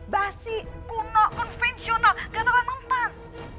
basi kuno konvensional nggak perlahan empat